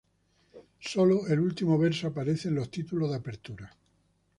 Sólo el último verso aparece en los títulos de apertura.